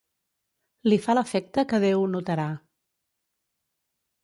Li fa l'efecte que Déu ho notarà.